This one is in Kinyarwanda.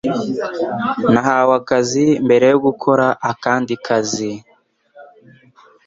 Nahawe akazi mbere yo gukora akandi kazi